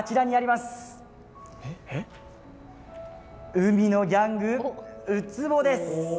海のギャングウツボです。